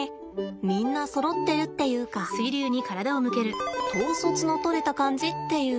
みんなそろってるっていうか統率のとれた感じっていうの？